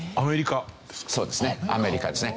そうですねアメリカですね。